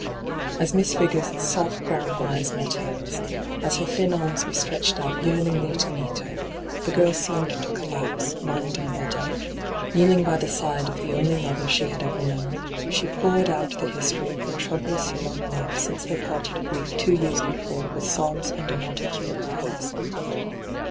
As Miss Vigors' soft brown eyes met hers, as her thin arms were stretched out yearningly to meet her, the girl seemed to collapse, mind and body. Kneeling by the side of the only mother she had ever known, she poured out the history of her troublous young life since they parted a brief two years before with sobs find inarticulate cries.